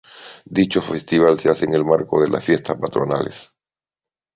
Dicho festival se hace en el marco de las fiestas patronales.